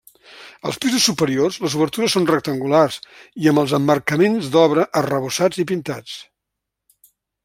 Als pisos superiors, les obertures són rectangulars i amb els emmarcaments d'obra arrebossats i pintats.